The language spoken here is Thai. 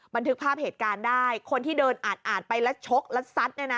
บันทึกภาพเหตุการณ์ได้คนที่เดินอาดไปแล้วชกแล้วซัดเนี่ยนะ